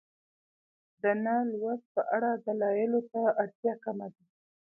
د نه لوست په اړه دلایلو ته اړتیا کمه ده.